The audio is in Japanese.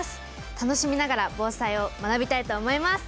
楽しみながら防災を学びたいと思います！